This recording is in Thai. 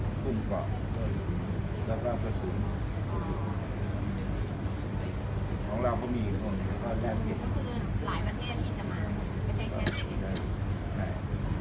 ก็คือหลายประเทศที่จะมาไม่ใช่แค่เกียรติศูนย์